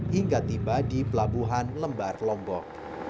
hingga tiba di pelabuhan lembar lombok